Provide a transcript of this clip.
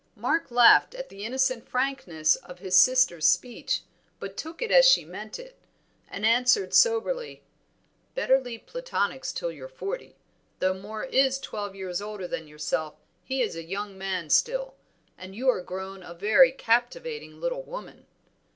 Mark laughed at the innocent frankness of his sister's speech but took it as she meant it, and answered soberly "Better leave Platonics till you're forty. Though Moor is twelve years older than yourself he is a young man still, and you are grown a very captivating little woman."